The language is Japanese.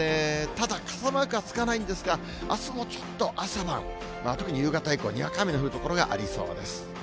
ただ、傘マークはつかないんですが、あすもちょっと朝晩、特に夕方以降、にわか雨の降る所がありそうです。